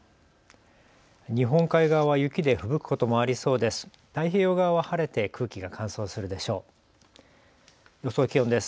日本海側は雪でふぶくこともありそうです。